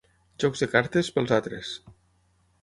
Jocs de cartes, pels altres.